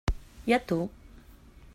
I a tu?